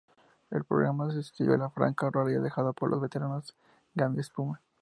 El programa sustituyó la franja horaria dejada por los veteranos "Gomaespuma".